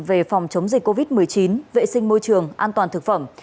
về phòng chống dịch covid một mươi chín vệ sinh môi trường an toàn thực phẩm